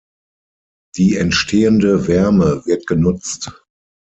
Die entstehende Wärme wird genutzt.